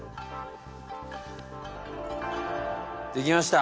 できました。